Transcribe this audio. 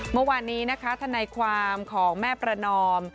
เมื่อวานนี้นะคะทนายความของแม่ประนอม